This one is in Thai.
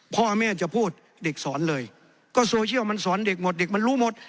พ่อแม่จะพูดเด็กสอนเลยก็โซเชียลมันสอนเด็กหมดเด็กมันรู้หมด